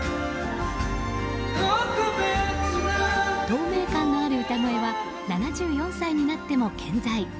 透明感のある歌声は７４歳になっても健在。